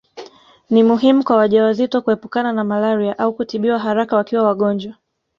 Ni muhimu kwa wajawazito kuepukana na malaria au kutibiwa haraka wakiwa wagonjwa